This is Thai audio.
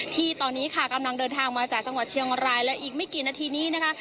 ที่ตอนนี้ค่ะกำลังเดินทางมาจากจังหวัดเชียงรายและอีกไม่กี่นาทีนี้นะคะ